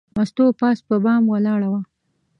مستو پاس په بام ولاړه وه.